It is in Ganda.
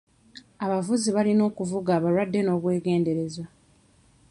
Abavuzi balina okuvuga abalwadde n'obwegendereza.